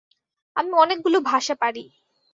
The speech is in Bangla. আমি অনেকগুলো ভাষা পারি।